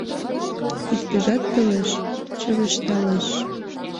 Иктыжат толеш — чывышталеш